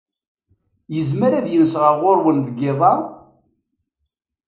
Yezmer ad yens ɣer-wen deg yiḍ-a?